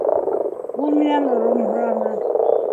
Ул минән ром һораны.